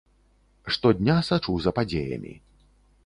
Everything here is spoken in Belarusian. Штодня сачу за падзеямі.